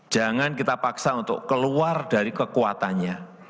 jangan kita paksa untuk keluar dari kekuatannya